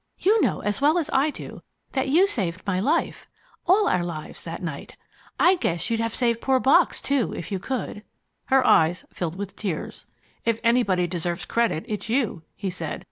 "You know as well as I do that you saved my life all our lives, that night. I guess you'd have saved poor Bock's, too, if you could." Her eyes filled with tears. "If anybody deserves credit, it's you," he said.